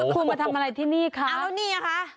คุณมาทำอะไรที่นี่คะเอาแล้วนี่ไงคะ